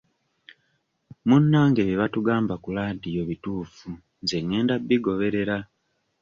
Munnange bye batugamba ku laadiyo bituufu nze ngenda bigoberera.